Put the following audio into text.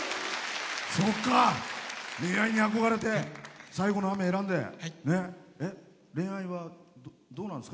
そうか、恋愛に憧れて「最後の雨」選んで。